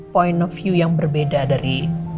point of view yang berbeda dari